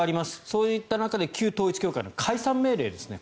そういった中で旧統一教会の解散命令ですね。